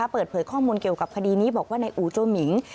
เปิดเผยข้อมูลเกี่ยวกับคดีนี้บอกว่าในอู่โจมิง